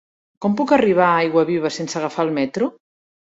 Com puc arribar a Aiguaviva sense agafar el metro?